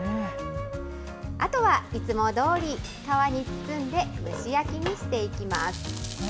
あとは、いつもどおり、皮に包んで蒸し焼きにしていきます。